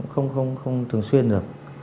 không thường xuyên được